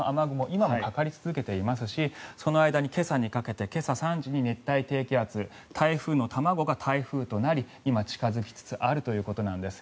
今もかかり続けていますしその間に、今朝にかけて今朝３時に熱帯低気圧台風の卵が台風となり今、近付きつつあるということなんです。